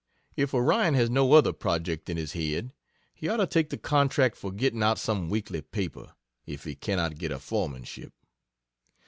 If Orion has no other project in his head, he ought to take the contract for getting out some weekly paper, if he cannot get a foremanship.